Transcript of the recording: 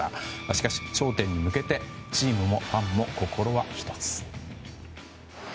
しかし、頂点に向けてチームもファンも心は１つ。